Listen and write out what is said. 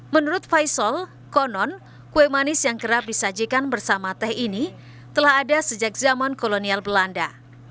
menurut faisal konon kue manis yang kerap disajikan bersama teh ini telah ada sejak zaman kolonial belanda